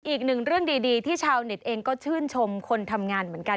อีกหนึ่งเรื่องดีที่ชาวเน็ตเองก็ชื่นชมคนทำงานเหมือนกัน